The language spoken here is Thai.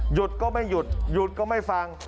หยุดก็ไม่หยุดหยุดก็ไม่ฟัง